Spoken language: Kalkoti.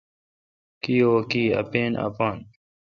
کی او کی۔ اپین اپان